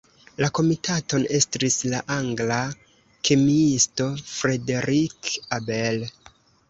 La komitaton estris la angla kemiisto Frederick Abel.